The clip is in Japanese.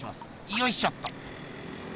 よいしょっと。